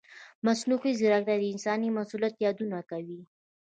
مصنوعي ځیرکتیا د انساني مسؤلیت یادونه کوي.